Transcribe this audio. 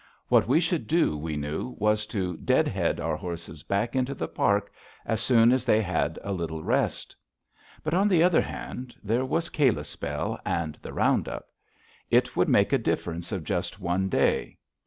What we should do, we knew, was to deadhead our horses back into the Park as soon as they had had a little rest. But, on the other hand, there was Kalispell and the round up. It would make a difference of just one day.